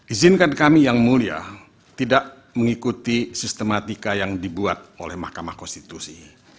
izinkan kami yang mulia tidak mengikuti sistematika yang dibuat oleh mahkamah konstitusi